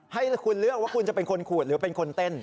ให้คุณเลือกว่าคุณจะเป็นคนขูดหรือเป็นคนเต้น